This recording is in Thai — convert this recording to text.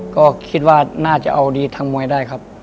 ก็คิดว่าน่าจะเอาดีทางมวยได้ครับ